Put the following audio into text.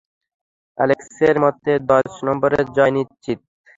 অ্যালেক্সের মতে দশ নম্বরের জয় নিশ্চিত।